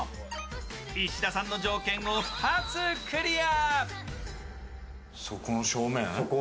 石田さんの条件を２つクリア。